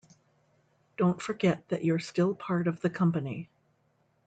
Don't forget that you're still part of the company.